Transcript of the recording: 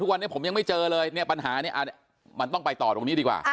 วันนี้ผมยังไม่เจอเลยเนี่ยปัญหาเนี่ยมันต้องไปต่อตรงนี้ดีกว่า